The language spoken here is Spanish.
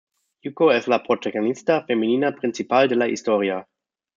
Yuko es la protagonista femenina principal de la historia.